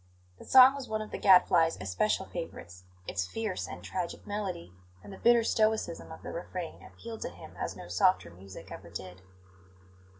The song was one of the Gadfly's especial favourites; its fierce and tragic melody and the bitter stoicism of the refrain appealed to him as no softer music ever did.